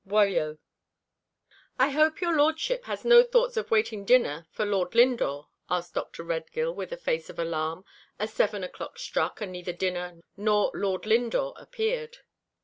BOILEAU. "I HOPE your Lordship has no thoughts of waiting dinner for Lord Lindore?" asked Dr. Redgill, with a face of alarm, as seven o'clock struck, and neither dinner nor Lord Lindore appeared.